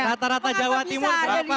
mengapa bisa ada di luar buku di sana